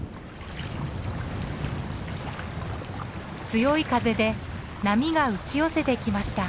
強い風で波が打ち寄せてきました。